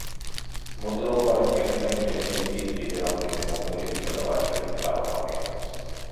მოძრაობა აერთიანებდა ინტელიგენციის, ლიბერალური მემამულეებისა და ვაჭრების წარმომადგენლებს.